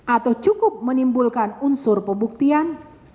atau cukup menimbulkan unsur pembuktian